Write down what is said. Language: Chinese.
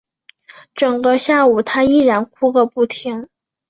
整个下午她依然哭个不停